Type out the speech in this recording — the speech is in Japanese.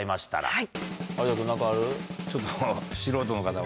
はい。